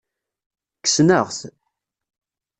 Kksen-aɣ-t.